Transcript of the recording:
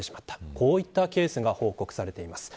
こういったケースが報告されています。